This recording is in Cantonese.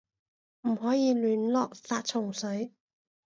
唔可以亂落殺蟲水